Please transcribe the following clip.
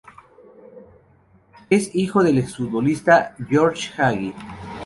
Es hijo del ex-futbolista Gheorghe Hagi.